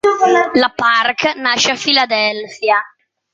La Park nasce a Philadelphia.